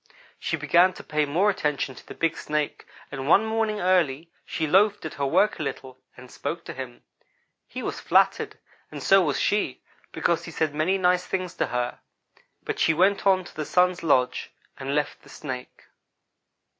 She began to pay more attention to the big Snake, and one morning early, she loafed at her work a little, and spoke to him. He was flattered, and so was she, because he said many nice things to her, but she went on to the Sun's lodge, and left the Snake.